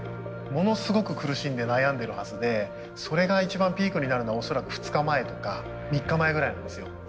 ものすごく苦しんで悩んでるはずでそれが一番ピークになるのは恐らく２日前とか３日前ぐらいなんですよ。